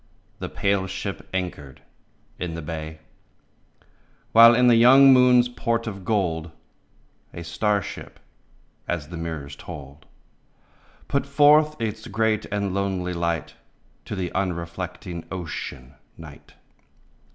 The pale ship anchored in the bay, While in the young moon's port of gold A star ship — as the mirrors told — Put forth its great and lonely light To the unreflecting Ocean, Night.